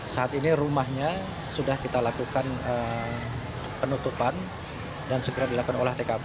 saat ini rumahnya sudah kita lakukan penutupan dan segera dilakukan olah tkp